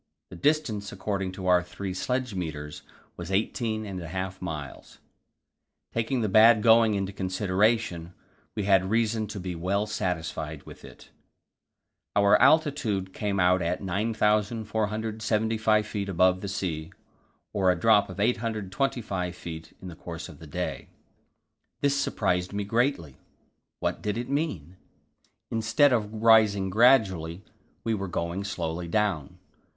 The distance according to our three sledge meters was eighteen and a half miles; taking the bad going into consideration, we had reason to be well satisfied with it. Our altitude came out at 9,475 feet above the sea, or a drop of 825 feet in the course of the day. This surprised me greatly. What did it mean? Instead of rising gradually, we were going slowly down.